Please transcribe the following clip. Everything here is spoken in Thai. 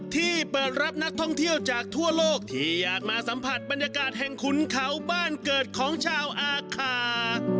ที่เปิดรับนักท่องเที่ยวจากทั่วโลกที่อยากมาสัมผัสบรรยากาศแห่งขุนเขาบ้านเกิดของชาวอาคา